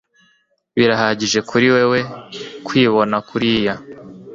Birahagije kuri wewe kwibonakuriya